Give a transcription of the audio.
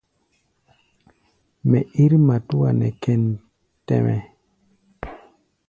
Mɛ ír matúa nɛ kěn tɛ-mɛ́.